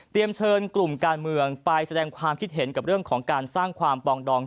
เชิญกลุ่มการเมืองไปแสดงความคิดเห็นกับเรื่องของการสร้างความปองดอง